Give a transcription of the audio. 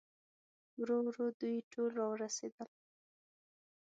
ورو ورو دوی ټول راورسېدل.